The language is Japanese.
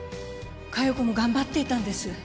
佳代子も頑張っていたんです。